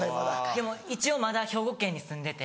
でも一応まだ兵庫県に住んでて。